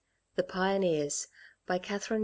org) THE PIONEERS by KATHARINE S.